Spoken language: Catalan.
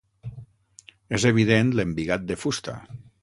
És evident l'embigat de fusta.